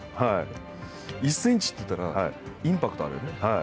１センチっていったらインパクトがあるよね。